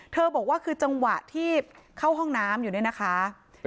บอกว่าคือจังหวะที่เข้าห้องน้ำอยู่เนี่ยนะคะ